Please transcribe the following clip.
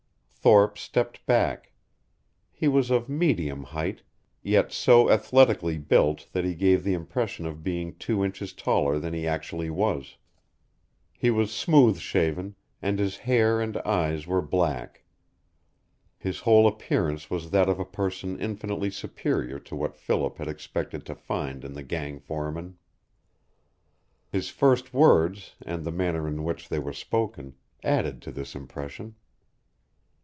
Thorpe stepped back. He was of medium height, yet so athletically built that he gave the impression of being two inches taller than he actually was. He was smooth shaven, and his hair and eyes were black. His whole appearance was that of a person infinitely superior to what Philip had expected to find in the gang foreman. His first words, and the manner in which they were spoken, added to this impression.